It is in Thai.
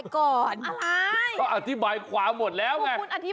คุณอธิบายอีกนิดนึง